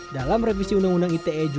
dalam revisi undang undang ite juga ditegaskan